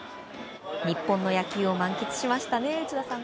日本の野球を満喫しました内田さん。